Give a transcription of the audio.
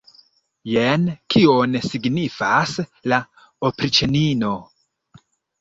Jen kion signifas la opriĉnino!